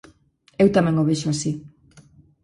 Eu tamén o vexo así.